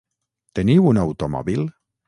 Teniu un automòbil?